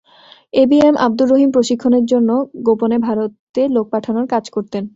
AB M Abdur Rahim প্রশিক্ষণের জন্য গোপনে ভারতে লোক পাঠানোর কাজ করতেন।